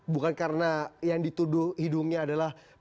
bukan karena yang dituduh hidungnya adalah